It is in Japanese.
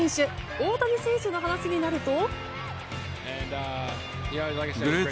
大谷選手の話になると。